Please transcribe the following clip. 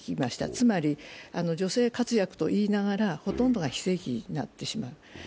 つまり女性活躍と言いながら、ほとんどが非正規になってしまった。